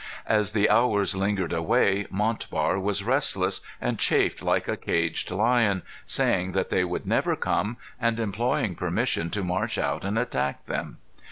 As the hours lingered away, Montbar was restless, and chafed like a caged lion, saying that they would never come, and imploring permission to march out and attack them.